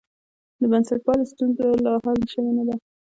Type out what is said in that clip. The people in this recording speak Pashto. د بنسټپالنې ستونزه لا حل شوې نه ده.